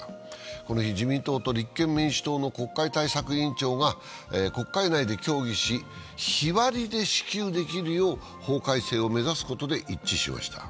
この日、自民党と立憲民主党の国会対策委員会長が国会内で協議し日割りで支給できるよう法改正を目指すことで一致しました。